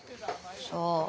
そう。